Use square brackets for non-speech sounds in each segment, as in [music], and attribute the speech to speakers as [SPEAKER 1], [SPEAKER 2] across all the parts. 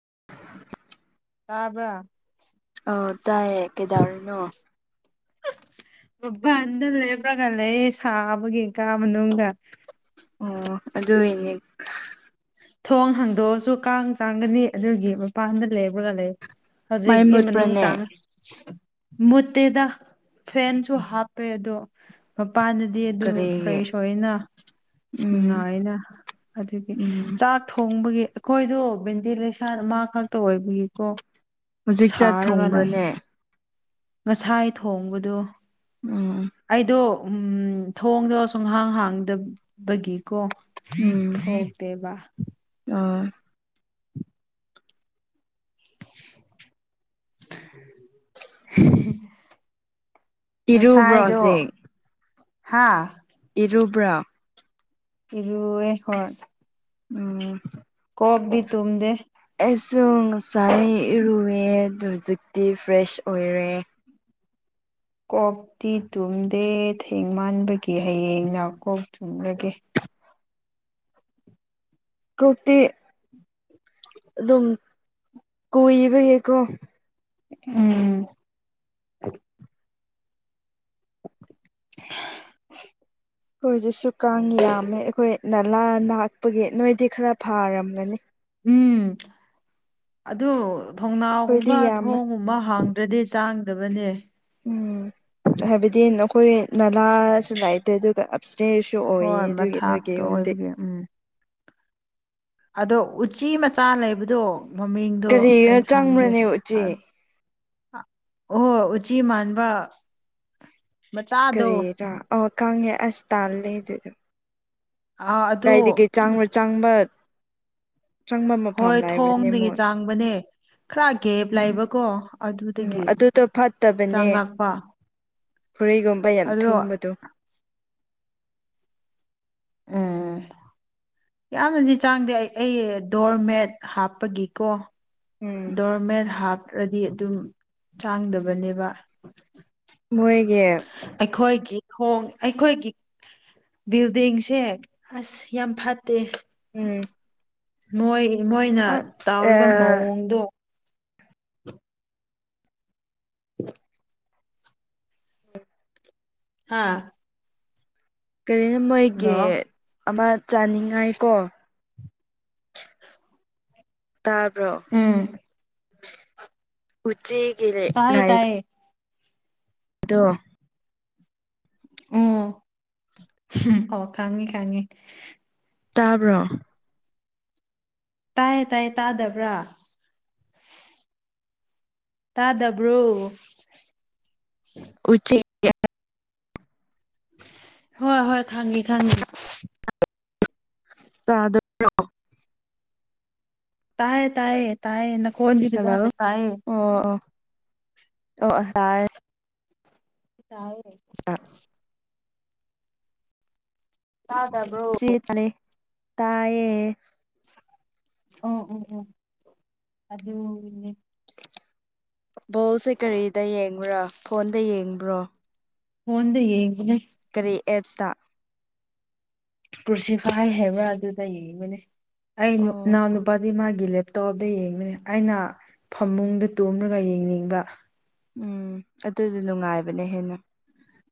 [SPEAKER 1] [inaudible]
[SPEAKER 2] ꯇꯥꯕ꯭ꯔ
[SPEAKER 1] ꯑꯧ ꯇꯥꯏꯌꯦ ꯀꯦꯗꯧꯔꯤꯅꯣ
[SPEAKER 2] ꯃꯄꯥꯟꯗ ꯂꯩꯕ꯭ꯔꯥꯒ ꯂꯩ ꯁꯥꯕꯒꯤ ꯀꯥ ꯃꯅꯨꯡꯗꯒ
[SPEAKER 1] ꯑꯣ ꯑꯗꯨ ꯑꯣꯏꯅꯦ
[SPEAKER 2] ꯊꯣꯡ ꯍꯥꯡꯗꯣꯛꯑꯁꯨ ꯀꯥꯡ ꯆꯥꯡꯒꯅꯤ ꯑꯗꯨꯒꯤ ꯃꯄꯥꯟꯗ ꯂꯩꯕ꯭ꯔꯒ ꯂꯩ
[SPEAKER 1] ꯃꯩ
[SPEAKER 2] ꯍꯧꯖꯤꯛꯇꯤ ꯃꯅꯨꯡ
[SPEAKER 1] ꯃꯨꯠꯄ꯭ꯔꯅꯦ
[SPEAKER 2] ꯆꯪꯉꯦ ꯃꯨꯠꯇꯦꯗ ꯐꯦꯟꯁꯁꯨ ꯍꯥꯞꯄꯦ ꯑꯗꯨ ꯃꯄꯥꯟꯗꯗꯤ ꯑꯗꯨꯝ
[SPEAKER 1] ꯀꯔꯤꯒꯤ
[SPEAKER 2] ꯐ꯭ꯔꯦꯁ ꯑꯣꯏ ꯑꯣꯏꯅ
[SPEAKER 1] ꯎꯝ
[SPEAKER 2] ꯅꯨꯡꯉꯥꯏꯅ ꯑꯗꯨꯒꯤ
[SPEAKER 1] ꯎꯝ
[SPEAKER 2] ꯆꯥꯛ ꯊꯣꯡ ꯊꯣꯡꯕꯒꯤ ꯑꯈꯣꯏꯗꯣ ꯚꯦꯟꯇꯤꯂꯦꯁꯟ ꯑꯃ ꯈꯛꯇ ꯑꯣꯏꯕꯒꯤꯀꯣ
[SPEAKER 1] ꯍꯧꯖꯤꯛ ꯆꯛ
[SPEAKER 2] ꯁꯥꯔꯒ ꯂꯩ
[SPEAKER 1] ꯊꯣꯡꯕ꯭ꯔꯅꯦ
[SPEAKER 2] ꯉꯁꯥꯏ ꯊꯣꯡꯕꯗꯣ
[SPEAKER 1] ꯎꯝ
[SPEAKER 2] ꯑꯩꯗꯣ ꯎꯝ ꯊꯣꯡꯗꯣ ꯁꯨꯡꯍꯥꯡ ꯍꯥꯡꯗꯕꯒꯤꯀꯣ
[SPEAKER 1] ꯎꯝ
[SPEAKER 2] ꯊꯣꯛꯇꯦꯕ
[SPEAKER 1] ꯑꯣ
[SPEAKER 2] [inaudible]
[SPEAKER 1] ꯏꯔꯨꯕ꯭ꯔꯣ
[SPEAKER 2] ꯉꯁꯥꯏꯗꯣ
[SPEAKER 1] ꯍꯧꯖꯤꯛ
[SPEAKER 2] ꯍꯥꯥ
[SPEAKER 1] ꯏꯔꯨꯕ꯭ꯔꯥ
[SPEAKER 2] ꯏꯔꯨꯑꯦ ꯍꯣꯏ
[SPEAKER 1] ꯎꯝ
[SPEAKER 2] ꯀꯣꯛꯇꯤ ꯇꯨꯝꯗꯦ
[SPEAKER 1] ꯑꯩꯁꯨ ꯉꯁꯥꯏ ꯏꯔꯨꯑꯦ ꯑꯗ ꯍꯧꯖꯤꯛꯇꯤ ꯐ꯭ꯔꯦꯁ ꯑꯣꯏꯔꯦ
[SPEAKER 2] ꯀꯣꯛꯇꯤ ꯇꯨꯝꯗꯦ ꯊꯦꯡ ꯃꯥꯟꯕꯒꯤ ꯍꯌꯦꯡꯅ ꯀꯣꯛ ꯇꯨꯝꯂꯒꯦ
[SPEAKER 1] [inaudible] ꯀꯣꯛꯇꯤ ꯑꯗꯨꯝ ꯀꯨꯏꯕꯒꯤꯀꯣ
[SPEAKER 2] ꯎꯝ ꯍ
[SPEAKER 1] ꯑꯈꯣꯏ ꯑꯗꯨꯁꯨ ꯀꯥꯡ ꯌꯥꯝꯃꯦ ꯑꯈꯣꯏ ꯅꯂꯥ ꯅꯅꯥꯛꯄꯒꯤ ꯅꯣꯏꯗꯤ ꯈꯔ ꯐꯥꯔꯝꯒꯅꯤ
[SPEAKER 2] ꯎꯝ ꯑꯗꯨ
[SPEAKER 1] ꯑꯩꯈꯣꯏꯗꯤ
[SPEAKER 2] ꯊꯣꯡꯅꯥꯎꯒꯨꯝꯕ
[SPEAKER 1] ꯌꯥꯝꯃꯦ
[SPEAKER 2] ꯊꯣꯡꯒꯨꯝꯕ ꯍꯥꯡꯗ꯭ꯔꯗꯤ ꯆꯥꯡꯗꯕꯅꯦ
[SPEAKER 1] ꯎꯝ ꯍꯥꯏꯕꯗꯤ ꯅꯈꯣꯏ ꯅꯂꯥꯁꯨ ꯂꯥꯏꯇꯦ ꯑꯗꯨꯒ ꯑꯞ ꯆꯦꯁꯨ ꯑꯣꯏꯌꯦ
[SPEAKER 2] ꯍꯣꯏ
[SPEAKER 1] ꯑꯗꯨꯒꯤ ꯅꯣꯏꯒꯤ
[SPEAKER 2] ꯃꯊꯥꯛꯇ
[SPEAKER 1] ꯌꯨꯝꯗꯤ
[SPEAKER 2] ꯑꯣꯏꯕꯒꯤ ꯎꯝ ꯑꯗꯣ ꯎꯆꯤ ꯃꯆꯥ ꯂꯩꯕꯗꯣ ꯃꯃꯤꯡꯗꯣ ꯑꯩ
[SPEAKER 1] ꯀꯔꯤꯔ
[SPEAKER 2] ꯈꯪꯗꯦ
[SPEAKER 1] ꯆꯪꯕ꯭ꯔꯅꯦ ꯎꯆꯦ
[SPEAKER 2] ꯑꯣꯍ ꯎꯆꯤ ꯃꯥꯟꯕ ꯃꯆꯥꯗꯣ
[SPEAKER 1] ꯀꯔꯤꯔꯥ ꯑ ꯀꯪꯉꯦ ꯑꯁ ꯇꯥꯜꯂꯦ ꯗꯨꯗꯣ
[SPEAKER 2] ꯑ ꯑꯗꯨ
[SPEAKER 1] ꯆꯪꯕ ꯆꯪꯕ ꯃꯐꯝ
[SPEAKER 2] ꯍꯣꯏ
[SPEAKER 1] ꯂꯩꯕ꯭ꯔꯅꯦ
[SPEAKER 2] ꯊꯣꯡꯗꯒꯤ
[SPEAKER 1] ꯃꯣꯏ
[SPEAKER 2] ꯆꯥꯡꯕꯅꯦ ꯈꯔ ꯒꯦꯞ ꯂꯩꯕꯀꯣ
[SPEAKER 1] ꯎꯝ
[SPEAKER 2] ꯑꯗꯨꯗꯒꯤ
[SPEAKER 1] ꯑꯗꯨꯗꯣ
[SPEAKER 2] ꯆꯪꯔꯛꯄ
[SPEAKER 1] ꯐꯔꯤꯒꯨꯝꯕ ꯌꯥꯝ ꯊꯨꯝꯕꯗꯣ
[SPEAKER 2] ꯎꯝ ꯌꯥꯝꯅꯗꯤ ꯆꯪꯗꯦ ꯑꯩ ꯑꯩ ꯗꯣꯔꯃꯦꯠ ꯍꯥꯞꯄꯒꯤꯀꯣ
[SPEAKER 1] ꯎꯝ
[SPEAKER 2] ꯗꯣꯔꯃꯦꯠ ꯍꯥꯞꯔꯗꯤ ꯑꯗꯨꯝ ꯆꯥꯡꯗꯕꯅꯦꯕ
[SPEAKER 1] ꯃꯣꯏꯒꯤ
[SPEAKER 2] ꯑꯩꯈꯣꯏꯒꯤ ꯊꯣꯡ ꯑꯩꯈꯣꯏꯒꯤ ꯕꯤꯜꯗꯤꯡꯁꯦ ꯑꯁ ꯌꯥꯝ ꯐꯠꯇꯦ
[SPEAKER 1] ꯎꯝ
[SPEAKER 2] ꯃꯣꯏ ꯃꯣꯏꯅ ꯇꯥꯎꯔꯤꯕ ꯃꯑꯣꯡꯗꯣ [inaudible]
[SPEAKER 1] [inaudible]
[SPEAKER 2] ꯍꯥꯥ
[SPEAKER 1] ꯀꯔꯤꯅ ꯃꯣꯏꯒꯦ ꯑꯃ ꯆꯥꯅꯤꯡꯉꯥꯏꯀꯣ ꯇꯥꯔꯕ꯭ꯔꯣ
[SPEAKER 2] ꯎꯝ
[SPEAKER 1] ꯆꯦꯒꯤ ꯂꯩ
[SPEAKER 2] ꯇꯥꯏꯌꯦ
[SPEAKER 1] ꯂꯥꯢ
[SPEAKER 2] ꯇꯥꯏꯌꯦ
[SPEAKER 1] ꯑꯗꯣ
[SPEAKER 2] ꯑꯣ ꯑꯣ ꯈꯪꯉꯦ ꯈꯪꯉꯦ
[SPEAKER 1] ꯇꯥꯕ꯭ꯔꯣ
[SPEAKER 2] ꯇꯥꯏꯌꯦ ꯇꯥꯏꯌꯦ ꯇꯥꯗꯕ꯭ꯔꯥ ꯇꯥꯗꯕ꯭ꯔꯣ
[SPEAKER 1] ꯎꯆꯦꯛ ꯏꯌꯥ
[SPEAKER 2] ꯍꯣꯏ ꯍꯣꯏ ꯈꯪꯉꯦ ꯈꯪꯉꯦ
[SPEAKER 1] ꯇꯥꯗꯕ꯭ꯔꯣ
[SPEAKER 2] ꯇꯥꯌꯦ ꯇꯥꯌꯦ ꯇꯥꯌꯦ ꯅꯈꯣꯟꯗꯤ
[SPEAKER 1] ꯍꯜꯂꯣ
[SPEAKER 2] ꯐꯖꯅ ꯇꯥꯢꯌꯦ
[SPEAKER 1] ꯑꯣ ꯑꯣ ꯑꯣ ꯑꯁꯥꯔꯦ
[SPEAKER 2] ꯇꯥꯢ ꯇꯥꯗꯕ꯭ꯔꯣ
[SPEAKER 1] ꯇꯥꯌꯦ
[SPEAKER 2] ꯑꯣ ꯑꯣ ꯑꯣꯝ ꯑꯗꯨꯅꯦ
[SPEAKER 1] ꯕꯣꯜꯁꯦ ꯀꯔꯤꯗ ꯌꯦꯡꯕ꯭ꯔꯥ ꯐꯣꯟꯗ ꯌꯦꯡꯕ꯭ꯔꯣ
[SPEAKER 2] ꯐꯣꯟꯗ ꯌꯦꯡꯕꯅꯦ
[SPEAKER 1] ꯀꯔꯤ ꯑꯦꯞꯁꯇ
[SPEAKER 2] ꯀ꯭ꯔꯨꯁꯤꯐꯥꯏ ꯍꯥꯏꯕ꯭ꯔꯥ ꯑꯗꯨꯗ ꯌꯦꯡꯕꯅꯦ ꯑꯩꯅꯨ
[SPEAKER 1] ꯑꯣ
[SPEAKER 2] ꯏꯅꯥꯎ ꯅꯨꯄꯥꯗꯤ ꯃꯥꯒꯤ ꯂꯦꯞ ꯇꯣꯞꯇ ꯌꯦꯡꯕꯅꯦ ꯑꯩꯅ ꯐꯃꯨꯡꯗ ꯇꯨꯝꯔꯒ ꯌꯦꯡꯅꯤꯡꯕ
[SPEAKER 1] ꯎꯝ ꯑꯗꯨꯗꯨ ꯅꯨꯡꯉꯥꯏꯕꯅ ꯍꯦꯟꯅ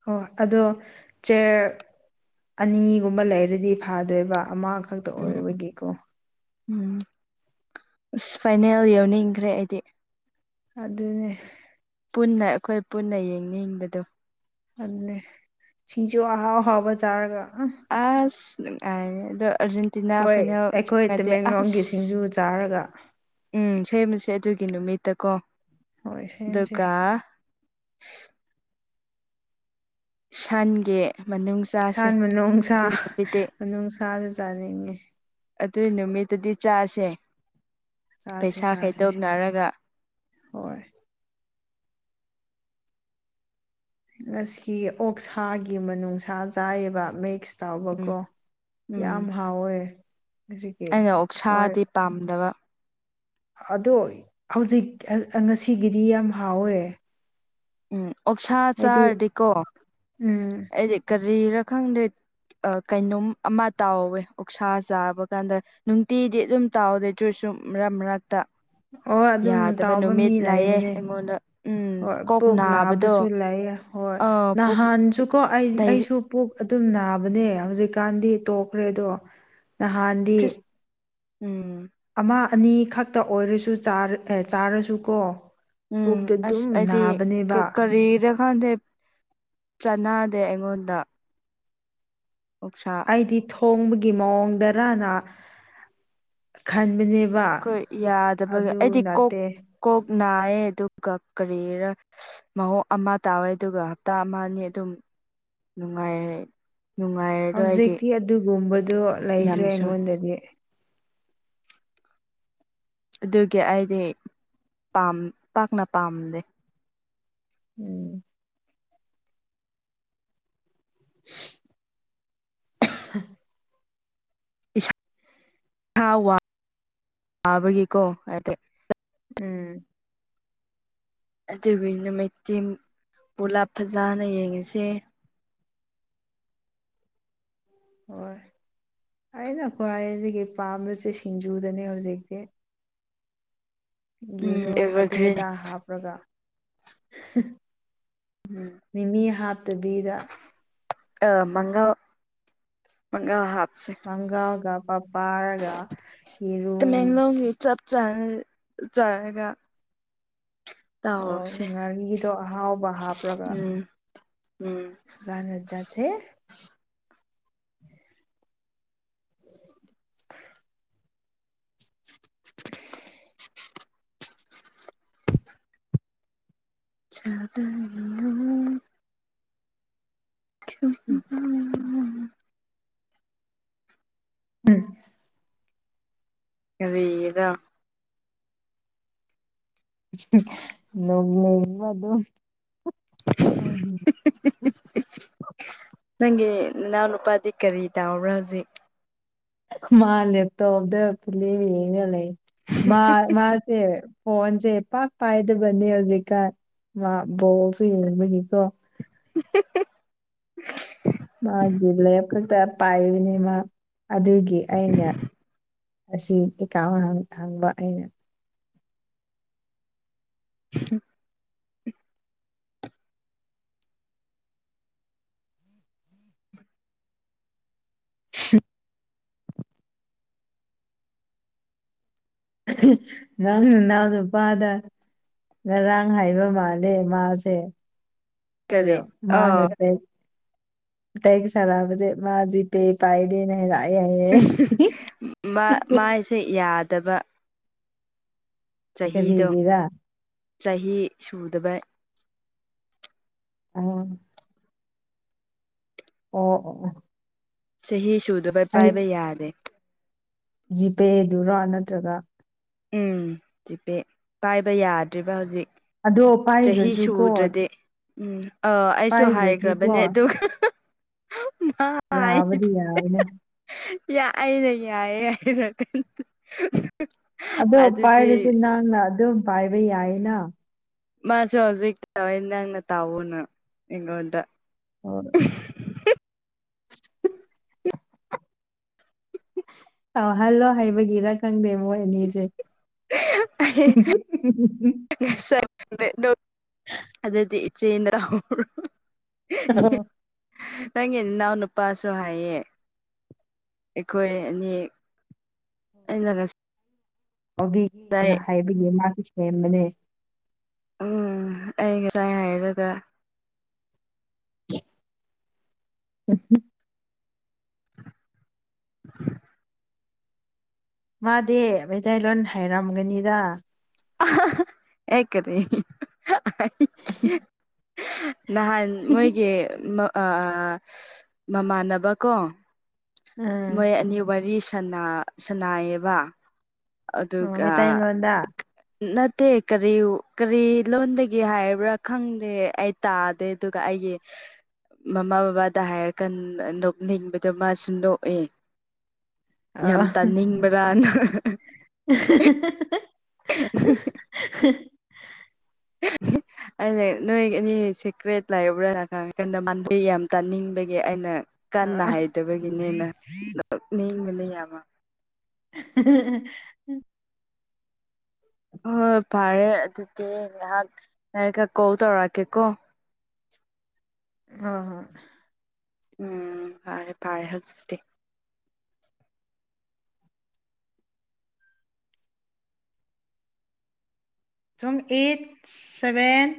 [SPEAKER 2] ꯍꯣ ꯑꯗꯣ ꯆꯦꯔ ꯑꯅꯤꯒꯨꯝꯕ ꯂꯩꯔꯗꯤ ꯐꯥꯗꯣꯏꯕ ꯑꯃ ꯈꯛꯇ
[SPEAKER 1] ꯎꯝ
[SPEAKER 2] ꯑꯣꯏꯕꯒꯤꯀꯣ
[SPEAKER 1] ꯎꯝ ꯑꯁ ꯐꯥꯏꯅꯦꯜ ꯌꯧꯅꯤꯡꯈ꯭ꯔꯦ ꯑꯩꯗꯤ
[SPEAKER 2] ꯑꯗꯨꯅꯦ
[SPEAKER 1] ꯄꯨꯟꯅ ꯑꯩꯈꯣꯏ ꯄꯨꯟꯅ ꯌꯦꯡꯅꯤꯡꯕꯗꯣ
[SPEAKER 2] ꯑꯗꯨꯅꯦ ꯁꯤꯡꯖꯨ ꯑꯍꯥꯎ ꯑꯍꯥꯎꯕ ꯆꯥꯔꯒ ꯑ
[SPEAKER 1] ꯑꯁ ꯅꯨꯡꯉꯥꯢꯔꯦ ꯑꯗꯣ ꯑꯔꯖꯦꯟꯇꯤꯅꯥ
[SPEAKER 2] ꯑꯩꯈꯣꯏ
[SPEAKER 1] ꯐꯥꯏꯅꯦꯜ
[SPEAKER 2] ꯑꯩꯈꯣꯏ ꯇꯃꯦꯡꯂꯣꯡꯒꯤ ꯁꯤꯡꯖꯨ ꯆꯥꯔꯒ
[SPEAKER 1] [unintelligible] ꯎꯝ ꯁꯦꯝꯃ ꯁꯦ ꯑꯗꯨꯒꯤ ꯅꯨꯃꯤꯠꯇ ꯀꯣ
[SPEAKER 2] ꯍꯣꯏ ꯁꯦꯝꯁꯦ
[SPEAKER 1] ꯑꯗꯨꯒ ꯁꯟꯒꯤ ꯃꯅꯨꯡ ꯆꯥꯁꯦ
[SPEAKER 2] ꯁꯟ ꯃꯅꯨꯡꯁꯥ
[SPEAKER 1] ꯑꯗꯨꯒꯤ ꯅꯨꯃꯤꯠꯇꯤ
[SPEAKER 2] ꯃꯅꯨꯡꯁꯥꯁꯨ ꯆꯥꯅꯤꯡꯉꯤ
[SPEAKER 1] ꯑꯗꯨꯏ ꯅꯨꯃꯤꯠꯇꯨꯗꯤ ꯆꯥꯥꯁꯦ
[SPEAKER 2] ꯆꯥꯁꯦ
[SPEAKER 1] ꯄꯩꯁꯥ
[SPEAKER 2] ꯆꯥꯁꯦ
[SPEAKER 1] ꯈꯥꯏꯗꯣꯛꯅꯔꯒ
[SPEAKER 2] ꯍꯣꯏ ꯉꯁꯤ ꯑꯣꯛꯁꯥꯒꯤ ꯃꯅꯨꯡꯅꯨꯡꯁꯥ ꯆꯥꯏꯕ ꯃꯩ [unintelligible]
[SPEAKER 1] ꯎꯝ
[SPEAKER 2] ꯇꯥꯎꯕꯀꯣ
[SPEAKER 1] ꯎꯝ
[SPEAKER 2] ꯌꯥꯝ ꯍꯥꯎꯋꯦ ꯍꯧꯖꯤꯛꯀꯤ
[SPEAKER 1] ꯑꯩꯅ
[SPEAKER 2] ꯍꯣꯏ
[SPEAKER 1] ꯑꯣꯛꯁꯥꯗꯤ ꯄꯥꯝꯗꯕ
[SPEAKER 2] ꯑꯗꯣ ꯍꯧꯖꯤꯛ ꯉꯁꯤꯒꯤꯗꯤ ꯌꯥꯝ ꯍꯥꯎꯋꯦ
[SPEAKER 1] ꯎꯝ ꯑꯣꯛꯁꯥ
[SPEAKER 2] ꯍꯥꯏꯗꯤ
[SPEAKER 1] ꯆꯥꯔꯗꯤꯀꯣ
[SPEAKER 2] ꯎꯝ
[SPEAKER 1] ꯑꯩꯗꯤ ꯀꯔꯤꯔ ꯈꯪꯗꯦ ꯀꯩꯅꯣꯝ ꯑꯃ ꯇꯥꯎꯋꯦ ꯑꯣꯛꯁꯥ ꯆꯥꯕ ꯀꯥꯟꯗ ꯅꯨꯡꯇꯤꯗꯤ ꯑꯗꯨꯝ ꯇꯥꯎꯗꯦ ꯇꯔꯤ ꯗꯨꯝ ꯃꯔꯛ ꯃꯔꯛꯇ
[SPEAKER 2] ꯑꯣ ꯑꯗꯨꯝ
[SPEAKER 1] ꯌꯥꯗꯕ
[SPEAKER 2] ꯇꯥꯎꯕ ꯃꯤ
[SPEAKER 1] ꯅꯨꯃꯤꯠ ꯂꯥꯛꯑꯦ
[SPEAKER 2] ꯂꯩꯕꯅꯦ
[SPEAKER 1] ꯑꯩꯉꯣꯟꯗ ꯎꯝ
[SPEAKER 2] ꯍꯣꯏ
[SPEAKER 1] ꯀꯣꯛ
[SPEAKER 2] ꯄꯨꯛ
[SPEAKER 1] ꯅꯥꯕꯗꯣ
[SPEAKER 2] ꯅꯥꯕꯁꯨ ꯂꯩ ꯂꯩꯌꯦ ꯍꯣꯏ
[SPEAKER 1] ꯑꯥ ꯄꯨꯛ
[SPEAKER 2] ꯅꯍꯥꯟꯁꯨ ꯀꯣ ꯑꯩ
[SPEAKER 1] ꯗꯥꯏꯔꯦꯛ
[SPEAKER 2] ꯑꯩꯁꯨ ꯄꯨꯛ ꯑꯗꯨꯝ ꯅꯥꯕꯅꯦ ꯍꯧꯖꯤꯛꯀꯥꯟꯗꯤ ꯇꯣꯛꯈ꯭ꯔꯦꯗꯣ ꯅꯍꯥꯟꯗꯤ
[SPEAKER 1] ꯈ꯭ꯔꯤꯁ ꯎꯝ
[SPEAKER 2] ꯑꯃ ꯑꯅꯤ ꯈꯛꯇ ꯑꯣꯏꯔꯁꯨ ꯆꯥꯔꯁꯨ ꯀꯣ
[SPEAKER 1] ꯎꯝ ꯑꯁ ꯑꯩꯗꯤ ꯀꯔꯤꯔ ꯈꯪꯗꯦ ꯆꯅꯥ ꯗꯦ ꯑꯩꯉꯣꯟꯗ ꯑꯣꯛꯁꯥ
[SPEAKER 2] ꯑꯩꯗꯤ ꯊꯣꯡꯕꯒꯤ ꯃꯑꯣꯡꯗꯔꯅ ꯈꯟꯕꯅꯦ
[SPEAKER 1] ꯀꯣꯏ ꯌꯥꯗꯕꯒ ꯑꯩꯗꯤ ꯀꯣꯛ ꯀꯣꯛ ꯅꯥꯏꯌꯦ ꯑꯗꯨꯒ ꯀꯔꯤꯔ ꯃꯑꯣꯡ ꯑꯃ ꯇꯥꯎꯋꯦ ꯑꯗꯨꯒ ꯍꯞꯇꯥ ꯑꯃ ꯑꯅꯤ ꯑꯗꯨꯝ ꯅꯨꯡꯉꯥꯏꯔꯦ ꯅꯨꯡꯉꯥꯏꯔꯔꯣꯏ ꯑꯩꯒꯤ
[SPEAKER 2] ꯍꯧꯖꯤꯛꯇꯤ ꯑꯗꯨꯒꯨꯝꯕꯗꯨ ꯂꯩꯇ꯭ꯔꯦ
[SPEAKER 1] ꯌꯥꯝꯁꯨ
[SPEAKER 2] ꯑꯩꯉꯣꯟꯗꯗꯤ
[SPEAKER 1] ꯑꯗꯨꯒꯤ ꯑꯩꯗꯤ ꯄꯥꯝ ꯄꯥꯛꯅ ꯄꯥꯝꯗꯦ
[SPEAKER 2] ꯎꯝ [inaudible] [unintelligible]
[SPEAKER 1] ꯏꯁꯥ [unintelligible] ꯋꯥꯕꯒꯤꯀꯣ ꯍꯥꯏꯗꯤ
[SPEAKER 2] ꯎꯝ
[SPEAKER 1] ꯑꯗꯨꯒꯤ ꯅꯨꯃꯤꯠꯇꯤ ꯄꯨꯂꯞ ꯐꯖꯅ ꯌꯦꯡꯉꯤꯁꯦ
[SPEAKER 2] ꯍꯣꯏ ꯑꯩꯅ ꯈ꯭ꯋꯥꯏꯁꯤꯗꯒꯤ ꯄꯥꯝꯝꯕꯁꯦ ꯁꯤꯡꯖꯨꯗꯅꯦ ꯍꯧꯖꯤꯛꯇꯤ
[SPEAKER 1] ꯎꯝ
[SPEAKER 2] ꯌꯦꯔꯨꯝ ꯑꯗꯨ
[SPEAKER 1] ꯑꯦꯚꯔꯒ꯭ꯔꯤꯟ
[SPEAKER 2] ꯑꯗꯥ ꯍꯥꯞꯔꯒ
[SPEAKER 1] ꯎꯝ
[SPEAKER 2] ꯃꯤꯃꯤ ꯍꯥꯞꯇꯕꯤꯗ
[SPEAKER 1] ꯑꯥ ꯃꯪꯒꯜ ꯃꯪꯒꯜ ꯍꯥꯞ
[SPEAKER 2] ꯃꯪꯒꯜꯒ ꯄꯄꯔꯒ ꯌꯦꯔꯨꯝ
[SPEAKER 1] ꯆꯥꯏ ꯆꯔꯒ
[SPEAKER 2] ꯑꯣ ꯉꯥꯔꯤꯗꯣ ꯑꯍꯥꯎꯕ ꯍꯥꯞꯄꯂꯒ
[SPEAKER 1] ꯎꯝ ꯎꯝ
[SPEAKER 2] [unintelligible]
[SPEAKER 1] [unintelligible] [unintelligible]
[SPEAKER 2] ꯎꯝ
[SPEAKER 1] ꯀꯔꯤꯔ
[SPEAKER 2] [unintelligible] [unintelligible]
[SPEAKER 1] ꯅꯪꯒꯤ ꯅꯅꯥꯎ ꯅꯨꯄꯥꯗꯤ ꯀꯔꯤ ꯇꯥꯕ꯭ꯔꯥ ꯍꯧꯖꯤꯛ
[SPEAKER 2] ꯃꯥ ꯂꯦꯛꯇꯣꯞꯗ ꯐꯤꯂꯤꯝ ꯌꯡꯂ ꯂꯩ ꯃꯥ ꯃꯥꯁꯦ ꯐꯣꯟꯁꯦ ꯄꯥꯛ ꯄꯥꯏꯗꯕꯅꯤ ꯍꯧꯖꯤꯀꯥꯟ ꯃꯥ ꯕꯣꯜꯁꯨ ꯌꯦꯡꯕꯒꯤꯀꯣ
[SPEAKER 1] [unintelligible]
[SPEAKER 2] ꯃꯥꯒꯤ ꯂꯦꯞ ꯈꯛꯇ ꯄꯥꯏꯕꯅꯦ ꯃꯥ ꯑꯗꯨꯒꯤ ꯑꯩꯅ ꯑꯁꯤ ꯀꯩꯀꯥ ꯋꯥ ꯍꯪꯕ ꯑꯩꯅ
[SPEAKER 1] ꯍꯝ
[SPEAKER 2] [unintelligible] ꯅꯪ ꯅꯅꯥꯎ ꯅꯨꯄꯥꯗ ꯉꯔꯥꯡ ꯍꯥꯏꯕ ꯃꯥꯜꯂꯦ ꯃꯥꯁꯦ
[SPEAKER 1] ꯀꯔꯤ
[SPEAKER 2] ꯍꯜꯂꯣ ꯃꯥꯅ
[SPEAKER 1] ꯑꯣ
[SPEAKER 2] ꯗ ꯇꯩꯒꯤ ꯁꯥꯅꯕꯗꯤ ꯃꯥ ꯖꯤ ꯄꯦ ꯄꯥꯏꯗꯦ ꯍꯥꯢꯅ
[SPEAKER 1] ꯃ ꯃꯥꯏꯁꯦ ꯌꯥꯗꯕ ꯆꯍꯤꯗꯣ
[SPEAKER 2] ꯀꯔꯤꯒꯤꯔꯥ
[SPEAKER 1] ꯆꯍꯤ ꯁꯨꯗꯕꯩ
[SPEAKER 2] ꯑꯣ ꯑꯣ ꯑꯣ
[SPEAKER 1] ꯆꯍꯤ ꯁꯨꯗꯕ ꯄꯥꯏꯕ ꯌꯥꯗꯦ
[SPEAKER 2] ꯖꯤꯄꯦꯗꯨꯔꯥ ꯅꯠꯇ꯭ꯔꯒ
[SPEAKER 1] ꯎꯝ ꯖꯤ ꯄꯦ ꯄꯥꯏꯕ ꯌꯥꯗ꯭ꯔꯤꯕ ꯍꯧꯖꯤꯛ
[SPEAKER 2] ꯑꯗꯣ
[SPEAKER 1] ꯆꯍꯤ
[SPEAKER 2] ꯄꯥꯏꯗ꯭ꯔꯁꯨꯀꯣ
[SPEAKER 1] ꯁꯨꯗ꯭ꯔꯗꯤ ꯎꯝ ꯑꯥ ꯑꯩꯁꯨ
[SPEAKER 2] ꯄꯥꯏꯗ꯭ꯔꯁꯨꯀꯣ
[SPEAKER 1] ꯍꯥꯏꯈ꯭ꯔꯕꯅꯦ ꯑꯗꯨꯒ [unintelligible]
[SPEAKER 2] ꯌꯥꯕꯗꯤ ꯌꯥꯕꯅꯦ
[SPEAKER 1] ꯑꯩꯅ ꯌꯥꯏꯌꯦ ꯍꯥꯢꯔꯀꯟꯗ
[SPEAKER 2] ꯑꯗꯣ ꯄꯥꯏꯔꯁꯨ ꯅꯪꯅ ꯑꯗꯨꯝ ꯄꯥꯏꯕ ꯌꯥꯏꯌꯦꯅ
[SPEAKER 1] ꯃꯥꯁꯨ ꯍꯧꯖꯤꯛ ꯇꯧꯋꯦ ꯅꯪꯅ ꯇꯥꯥꯎꯅ ꯑꯩꯉꯣꯟꯗ
[SPEAKER 2] ꯑ ꯇꯧꯍꯜꯂꯣ ꯍꯥꯏꯕꯒꯤꯔ ꯈꯪꯗꯦ ꯃꯣꯢ ꯑꯅꯤꯁꯦ [unintelligible]
[SPEAKER 1] ꯈꯪꯗꯦ ꯗꯣ ꯑꯗꯨꯗꯤ ꯏꯆꯦꯅ ꯇꯧꯍꯧꯔꯣ ꯅꯪꯒꯤ ꯅꯅꯥꯎ ꯅꯨꯄꯥꯁꯨ ꯍꯥꯏꯌꯦ ꯑꯩꯈꯣꯏ ꯑꯅꯤ ꯑꯩꯅ ꯉꯁꯤ
[SPEAKER 2] ꯑꯣꯕꯤꯒꯅ ꯍꯥꯏꯕꯒꯤ ꯃꯥꯁꯨ ꯁꯦꯝꯕꯅꯦ
[SPEAKER 1] ꯎꯝ ꯑꯩ ꯉꯁꯥꯏ ꯍꯥꯏꯔꯒ
[SPEAKER 2] ꯎ
[SPEAKER 1] [inaudible]
[SPEAKER 2] ꯃꯥꯗꯤ ꯃꯩꯇꯩꯂꯣꯟ ꯍꯩꯔꯝꯒꯅꯤꯗ
[SPEAKER 1] ꯑꯩ ꯀꯔꯤ ꯅꯍꯥꯟ ꯃꯣꯏꯒꯤ ꯑ ꯃꯃꯥꯟꯅꯕ ꯀꯣ ꯃꯣꯏ
[SPEAKER 2] ꯎꯝ
[SPEAKER 1] ꯑꯅꯤ ꯋꯥꯔꯤ ꯁꯅꯥꯏꯌꯦꯕ
[SPEAKER 2] ꯃꯤꯇꯩ ꯂꯣꯟꯗ
[SPEAKER 1] ꯅꯠꯇꯦ ꯀꯔꯤ ꯀꯔꯤ ꯂꯣꯟꯗꯒꯤ ꯍꯥꯏꯕ꯭ꯔꯥ ꯈꯪꯗꯦ ꯑꯩ ꯇꯥꯗꯦ ꯑꯗꯨꯒ ꯑꯩ ꯒꯤ ꯃꯃꯥ ꯕꯕꯥꯗ ꯍꯥꯢꯔꯀꯟ ꯅꯣꯛꯅꯤꯡꯕꯗꯣ ꯃꯥꯁꯨ ꯅꯣꯛ ꯑꯦ ꯌꯥꯝ
[SPEAKER 2] ꯑꯣ
[SPEAKER 1] ꯇꯥꯅꯤꯡꯕ꯭ꯔꯥꯅ [unintelligible] [unintelligible] ꯑꯩꯅ ꯅꯣꯏ ꯑꯅꯤ ꯁꯤꯀ꯭ꯔꯦꯠ ꯂꯩꯕ꯭ꯔꯥ ꯍꯪꯀꯥꯟꯗ ꯃꯥ ꯌꯥꯝ ꯇꯥꯅꯤꯡꯕꯒꯤ ꯑꯩꯅ ꯀꯟꯅ
[SPEAKER 2] ꯑꯣ
[SPEAKER 1] ꯍꯥꯏꯗꯕꯒꯤꯅꯦꯅ ꯅꯣꯛꯅꯤꯡꯕꯅꯦ ꯌꯥꯝꯃ
[SPEAKER 2] [unintelligible]
[SPEAKER 1] ꯍꯣꯏ ꯐꯔꯦ ꯑꯗꯨꯗꯤ ꯉꯥꯍꯥꯛ ꯂꯩꯔꯒ ꯀꯣꯜ ꯇꯧꯔꯛꯀꯦꯀꯣ
[SPEAKER 2] ꯍꯣ ꯍꯣꯏ
[SPEAKER 1] ꯎꯝ ꯐꯔꯦ ꯐꯔꯦ ꯍꯧꯆꯤꯛꯇꯤ
[SPEAKER 2] ꯁꯣꯝ ꯑꯩꯠ ꯁꯚꯦꯟ